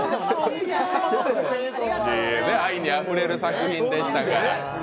愛にあふれる作品でしたから。